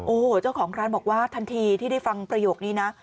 โอ้โหเจ้าของร้านบอกว่าทันทีที่ได้ฟังประโยคนี้นะ